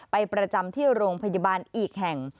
ประจำที่โรงพยาบาลอีกแห่ง